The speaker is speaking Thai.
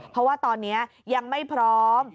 เพราะว่าตอนนี้ยังไม่พร้อม